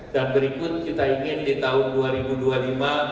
dan berikut kita ingin di tahun dua ribu dua puluh